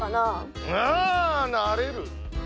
ああなれる！